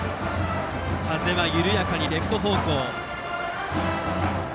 風は緩やかにレフト方向。